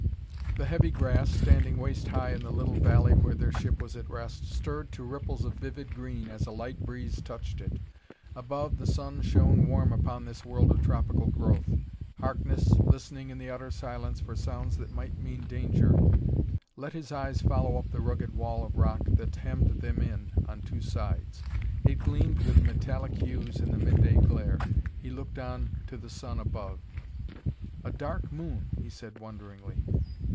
The heavy grass, standing waist high in the little valley where their ship was at rest, stirred to ripples of vivid green as a light breeze touched it. Above, the sun shone warm upon this world of tropical growth. Harkness, listening in the utter silence for sounds that might mean danger, let his eyes follow up the rugged wall of rock that hemmed them in on two sides. It gleamed with metallic hues in the midday glare. He looked on to the sun above. "A dark moon!" he said wonderingly.